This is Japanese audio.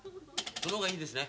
その方がいいですね。